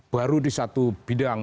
baru di satu bidang